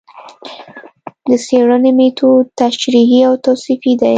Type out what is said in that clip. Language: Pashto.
د څېړنې مېتود تشریحي او توصیفي دی